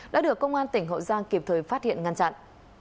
đã được công an tỉnh hậu giang kịp thời phát hiện ngăn chặn